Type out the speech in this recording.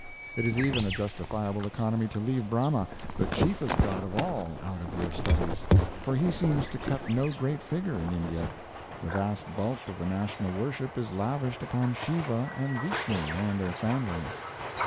It is even a justifiable economy to leave Brahma, the chiefest god of all, out of your studies, for he seems to cut no great figure in India. The vast bulk of the national worship is lavished upon Shiva and Vishnu and their families.